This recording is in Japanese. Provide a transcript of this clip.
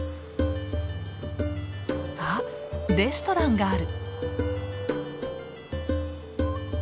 あレストランがある。